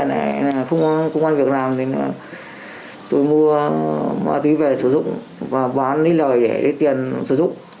tái nghiện là không có công an việc làm tôi mua ma túy về sử dụng và bán lấy lời để tiền sử dụng